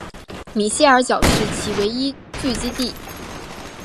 米歇尔角是其唯一聚居地。